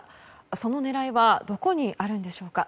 その狙いはどこにあるんでしょうか。